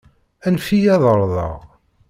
Anef-iyi ad εerḍeɣ.